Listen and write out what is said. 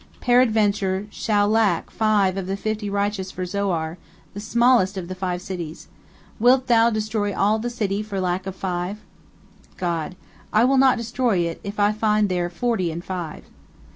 Peradventure there shall lack five of the fifty righteous for Zoar, the smallest of the five cities. Wilt Thou destroy all the city for lack of five?" God: "I will not destroy it, if I find there forty and five."